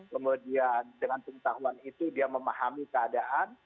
kemudian dengan pengetahuan itu dia memahami keadaan